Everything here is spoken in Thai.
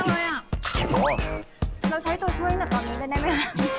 เราใช้ตัวช่วยตั้งแต่ตอนนี้เลยได้ไหมคะ